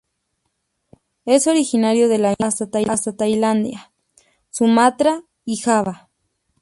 Es originario de la India hasta Tailandia, Sumatra y Java.